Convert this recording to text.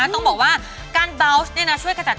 ต้องบอกว่าการบัวส์เนี่ยนะ